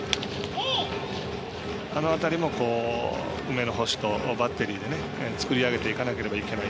あの辺りも、梅野捕手とバッテリーで作り上げていかなければいけない。